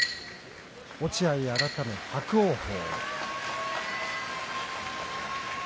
落合、改め伯桜鵬。